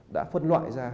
đã phân loại ra